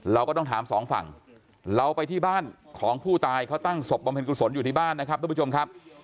เราก็ต้องถามสองฝั่งเราไปที่บ้านของผู้ตายเขาตั้งศพบำเพ็ญกุศลอยู่ที่บ้านนะครับทุกผู้ชมครับ